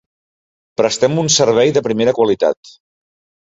Prestem un servei de primera qualitat.